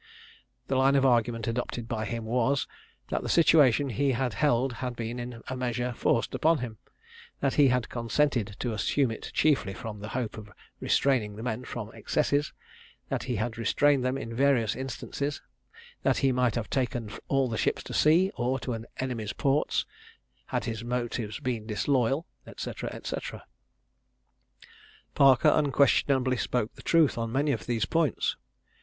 The line of argument adopted by him was that the situation he had held had been in a measure forced upon him; that he had consented to assume it chiefly from the hope of restraining the men from excesses; that he had restrained them in various instances; that he might have taken all the ships to sea, or to an enemy's ports, had his motives been disloyal, &c. &c. Parker unquestionably spoke the truth on many of these points.